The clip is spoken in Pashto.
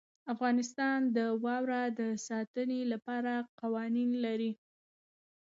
افغانستان د واوره د ساتنې لپاره قوانین لري.